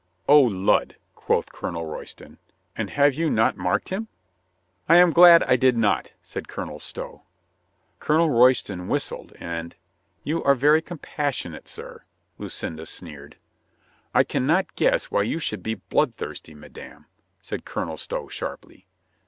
"Oh, lud," quoth Colonel Royston. "And have you not marked him?" "I am glad I did not," said Colonel Stow. Colonel Royston whistled, and, "You are very compassionate, sir," Lucinda sneered. "I can not guess why you should be bloodthirsty, madame," said Colonel Stow sharply.